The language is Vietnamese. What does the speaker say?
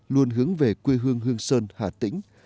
luôn hướng về quê hương hương sơn hà tĩnh